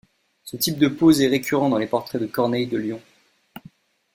Ce type de pose est récurrent dans les portraits de Corneille de Lyon.